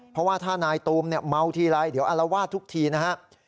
เพราะว่าถ้านายตูมเมาทีไรเดี๋ยวอารวาสทุกทีนะครับ